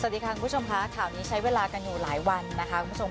สวัสดีค่ะคุณผู้ชมค่ะข่าวนี้ใช้เวลากันอยู่หลายวันนะคะคุณผู้ชม